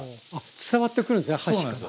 伝わってくるんですね箸から。